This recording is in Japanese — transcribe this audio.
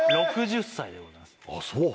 ６０歳でございますあっそう